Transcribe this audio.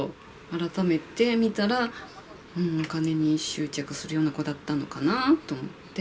改めて見たら、お金に執着するような子だったのかなと思って。